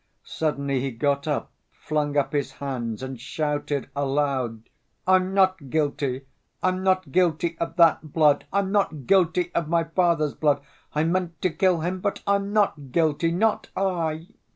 Suddenly he got up, flung up his hands, and shouted aloud: "I'm not guilty! I'm not guilty of that blood! I'm not guilty of my father's blood.... I meant to kill him. But I'm not guilty. Not I."